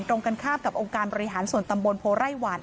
ตรงกันข้ามกับองค์การบริหารส่วนตำบลโพไร่หวาน